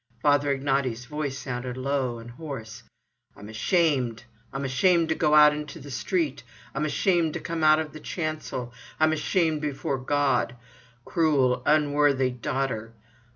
Father Ignaty's voice sounded low and hoarse: "I'm ashamed! I'm ashamed to go out into the street! I'm ashamed to come out of the chancel! I'm ashamed before God. Cruel, unworthy daughter!